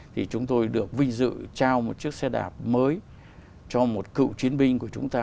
thì chúng tôi được vinh dự trao một chiếc xe đạp mới cho một cựu chiến binh của chúng ta